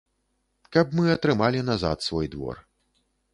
Каб мы атрымалі назад свой двор.